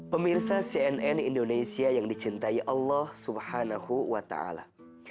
pemirsa cnn indonesia yang dicintai allah subhanahu wa ta'ala